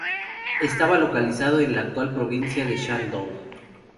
Estaba localizado en la actual provincia de Shandong.